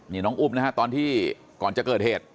นี่น้องอุ้มนะฮะตอนที่ก่อนจะเกิดเหตุ